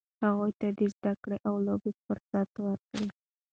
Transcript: هغوی ته د زده کړې او لوبو فرصت ورکړئ.